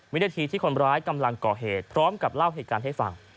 วินาทีที่คนร้ายกำลังก่อเหตุพร้อมกับเล่าเหตุการณ์ให้ฟัง